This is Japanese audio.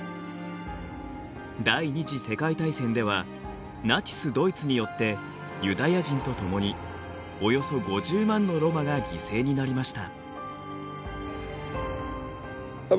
第２次世界大戦ではナチスドイツによってユダヤ人とともにおよそ５０万のロマが犠牲になりました。